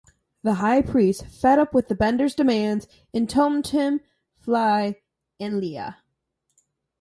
The high priests, fed up with Bender's demands, entomb him, Fry, and Leela.